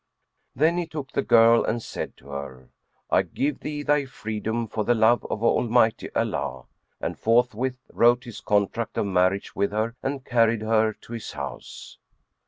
Then he took the girl and said to her, "I give thee thy freedom for the love of Almighty Allah;" and forthwith wrote his contract of marriage with her and carried her to his house.